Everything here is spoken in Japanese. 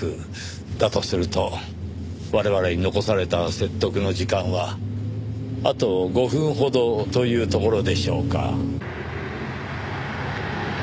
だとすると我々に残された説得の時間はあと５分ほどというところでしょうか。